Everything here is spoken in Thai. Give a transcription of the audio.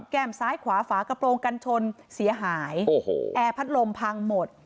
แก้มซ้ายขวาฝากระโปรงกันชนเสียหายโอ้โหแอร์พัดลมพังหมด